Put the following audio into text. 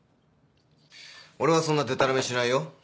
俺はそんなデタラメしないよ。